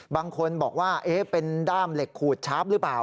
บางคนบอกว่าเป็นด้ามเหล็กขูดชาร์ฟหรือเปล่า